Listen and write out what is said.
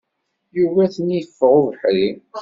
Yugi ad ten-iffeɣ ubeḥri.